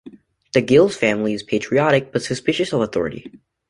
The Giles family is patriotic but suspicious of authority.